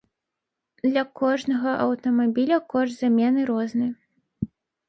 Для кожнага аўтамабіля кошт замены розны.